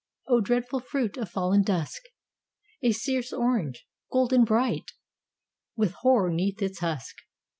O dreadful fruit of fallen dusk! A Circe orange, golden bright, With horror 'neath its husk.